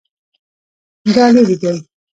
دا لیرې دی؟